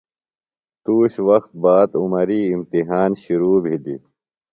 تُوش وخت باد عمری امتحان شِرو بِھلیۡ۔